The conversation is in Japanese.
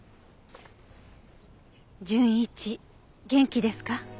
「純一元気ですか？」